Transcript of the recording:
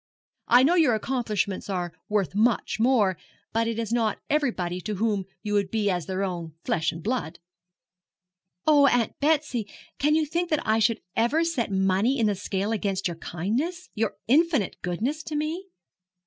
I know your accomplishments are worth much more; but it is not everybody to whom you would be as their own flesh and blood.' 'Oh, Aunt Betsy, can you think that I should ever set money in the scale against your kindness your infinite goodness to me?'